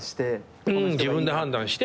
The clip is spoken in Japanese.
うん自分で判断して。